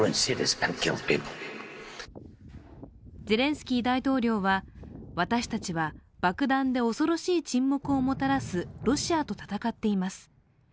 ゼレンスキー大統領は私たちは爆弾で恐ろしい沈黙をもたらすロシアと戦っています